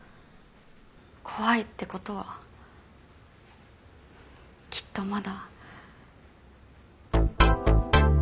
怖いって事はきっとまだ。